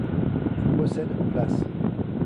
Il possède places.